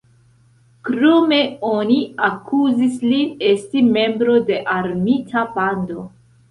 Krome oni akuzis lin esti membro de "armita bando".